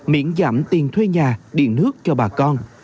miễn giảm tiền thuê nhà điện nước cho bà con